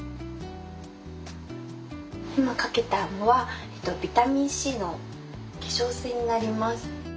今かけたのはビタミンＣの化粧水になります。